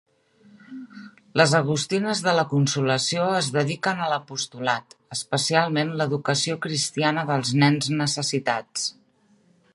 Les Agustines de la Consolació es dediquen a l'apostolat, especialment l'educació cristiana dels nens necessitats.